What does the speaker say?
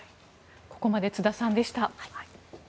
ここまで津田さんでした。